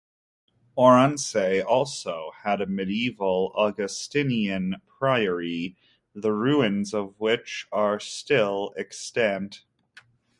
Oronsay also had a medieval Augustinian priory, the ruins of which are still extant.